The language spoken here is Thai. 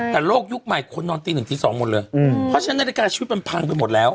แต่โลกยุคใหม่คนนอนตีหนึ่งตีสองหมดเลยเพราะฉะนั้นนาฬิกาชีวิตมันพังไปหมดแล้ว